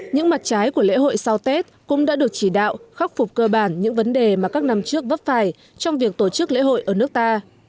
những mặt trái của lễ hội sau tết cũng đã được chỉ đạo khắc phục cơ bản những vấn đề mà các năm trước vấp phải trong việc tổ chức lễ hội ở nước ta